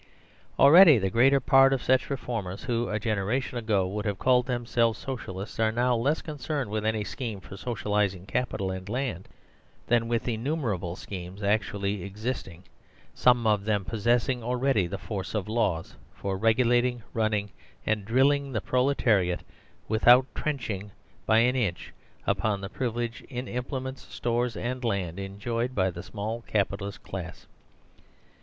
Already the greater part of such reformers who, a generation ago, would have called themselves "So cialists " are now less concerned with any scheme for socialising Capital and Land than with innumerable schemes actually existing, some of them possessing already the force of laws, for regulating, " running," and drilling the protelariat without trenching by an inch uponthe privilegeinimplements, stores, andland enjoyed by the small Capitalist class.